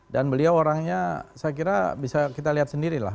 dan beliau orangnya saya kira bisa kita lihat sendirilah